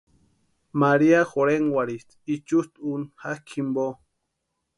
María jorhenkwarhisti ichusta úni jakʼi jimpo.